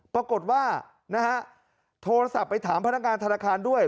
ปรากฏว่านะฮะโทรศัพท์ไปถามพนักงานธนาคารด้วย